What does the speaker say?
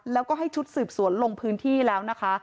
แล้วก็ให้ชุดสืบสวนลงพื้นที่แล้วนะคะ